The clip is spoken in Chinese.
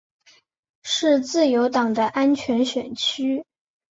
是自由党的安全选区。